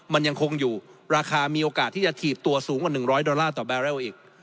มันยังคงอยู่ราคามีโอกาสที่จะถีบตัวสูงกว่า๑๐๐ดอลลาร์ต่อแบเรลอีก